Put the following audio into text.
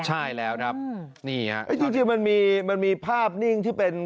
ใช่แล้วครับนี่ฮะจริงมันมีภาพนิ่งที่เป็น